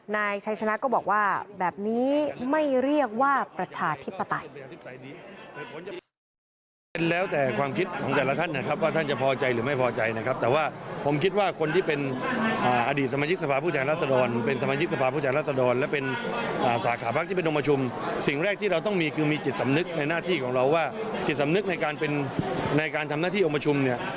นายชัยชนะก็บอกว่าแบบนี้ไม่เรียกว่าประชาธิปไตย